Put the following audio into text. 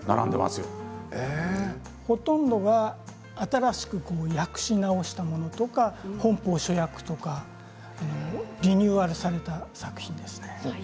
１２５冊、全部ほとんどが新しく訳し直したものとかリニューアルされた作品ですね。